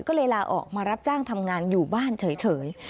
ก็เลยลาออกมารับจ้างทำงานอยู่บ้านเฉย